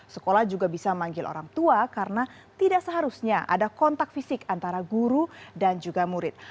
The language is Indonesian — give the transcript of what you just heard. sekolah juga bisa manggil orang tua karena tidak seharusnya ada kontak fisik antara guru dan juga murid